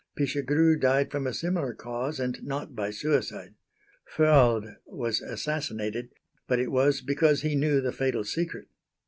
Pichegru died from a similar cause and not by suicide. Fualdes was assassinated, but it was because he knew the fatal secret.